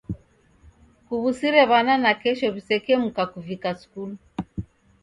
Kuw'usire w'ana nakesho w'isekemuka kuvika skulu